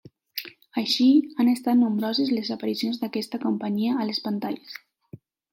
Així, han estat nombroses les aparicions d'aquesta companyia a les pantalles.